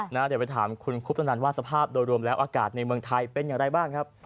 เดี๋ยวไปถามคุณคุปตนันว่าสภาพโดยรวมแล้วอากาศในเมืองไทยเป็นอย่างไรบ้างครับ